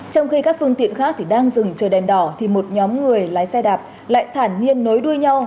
trong khi các phương tiện khác đang dừng trời đèn đỏ một nhóm người lái xe đạp lại thản nhiên nối đuôi nhau